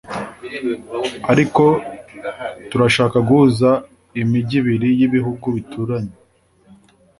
ariko turashaka guhuza imijyi ibiri y’ibihugu bituranyi